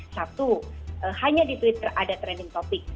satu hanya di twitter ada trending topic